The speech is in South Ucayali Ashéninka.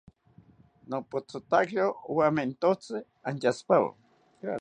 Nopothotakiro owamentotzi antyashipawo